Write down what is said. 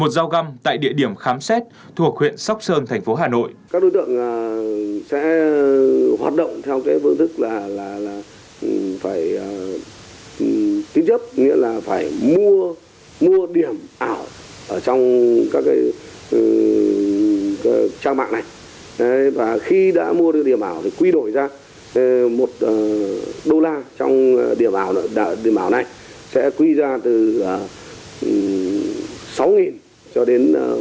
một dao găm tại địa điểm khám xét thuộc huyện sóc sơn thành phố hà nội